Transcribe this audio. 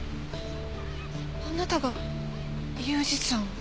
あなたが裕二さんを。